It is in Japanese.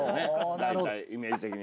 大体イメージ的に。